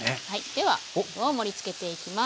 では盛りつけていきます。